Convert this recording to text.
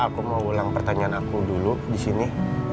aku mau ulang pertanyaan aku dulu di sini